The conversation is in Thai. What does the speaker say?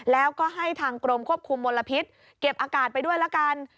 แล้วก็ให้ทางกรมควบคุมมลพิษเก็บอากาศไปด้วยละกัน